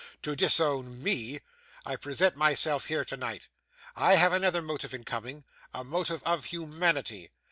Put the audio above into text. to disown ME, I present myself here tonight. I have another motive in coming: a motive of humanity.